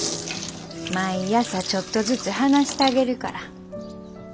毎朝ちょっとずつ話したげるから。